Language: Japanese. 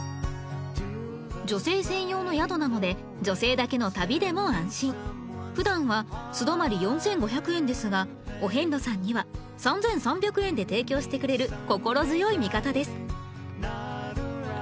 女性専用の宿なので女性だけの旅でも安心ふだんは素泊まり４，５００円ですがお遍路さんには３，３００円で提供してくれる心強い味方です